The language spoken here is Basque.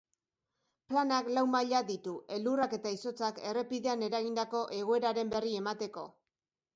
Planak lau maila ditu elurrak eta izotzak errepidean eragindako egoeraren berri emateko.